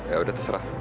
ya udah terserah